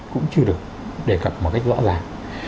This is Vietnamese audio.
cũng chưa được đề cập một cách rõ ràng